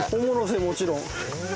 もちろん